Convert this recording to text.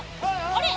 あれ？